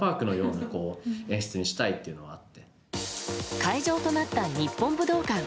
会場となった日本武道館。